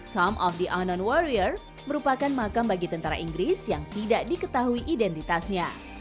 tom of the annon warrior merupakan makam bagi tentara inggris yang tidak diketahui identitasnya